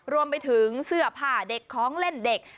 รวมไปถึงเสื้อผ้าเด็กของเล่นเด็ก